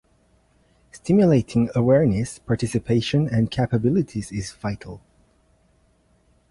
Stimulating awareness, participation, and capabilities is vital.